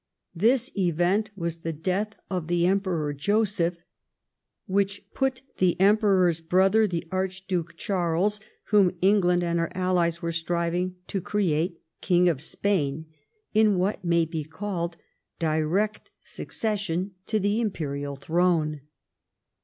This event was the death of the Emperor Joseph, which put the Emperor's brother, the Archduke Charles, whom England and her allies were striving to create King of Spain, in what may be called direct succession to the Imperial throne.